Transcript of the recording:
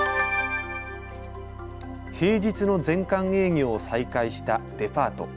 平日の全館営業を再開したデパート。